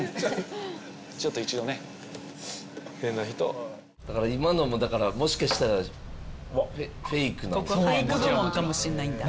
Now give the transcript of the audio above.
ちょっと一度ね変な人今のもだからもしかしたらフェイクなんかもフェイク部門かもしんないんだ